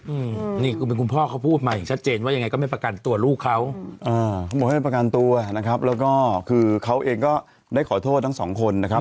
อืมนี่คือเป็นคุณพ่อเขาพูดมาอย่างชัดเจนว่ายังไงก็ไม่ประกันตัวลูกเขาอ่าเขาบอกให้ประกันตัวนะครับแล้วก็คือเขาเองก็ได้ขอโทษทั้งสองคนนะครับ